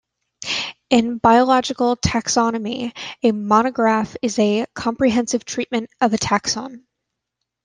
In biological taxonomy a monograph is a comprehensive treatment of a taxon.